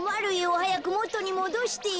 はやくもとにもどしてよ。